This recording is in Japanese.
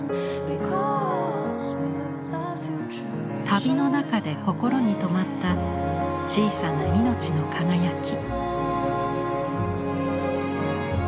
旅の中で心に留まった小さな命の輝き。